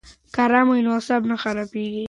که آرام وي نو اعصاب نه خرابیږي.